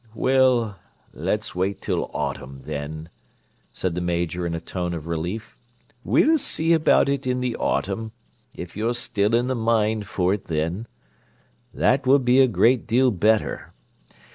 "Well, let's wait till autumn then," said the Major in a tone of relief. "We'll see about it in the autumn, if you're still in the mind for it then. That will be a great deal better.